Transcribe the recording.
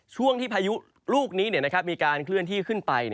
ช่วงที่พายุลูกนี้มีการเคลื่อนที่ขึ้นไป